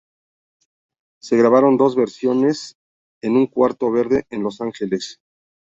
Se grabaron dos versiones en un cuarto verde en Los Ángeles.